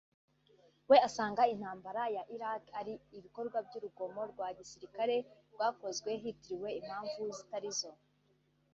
we asanga intambara ya Iraq ari “ibikorwa by’urugomo rwa gisirikare rwakozwe hitwikiriwe impamvu zitari zo”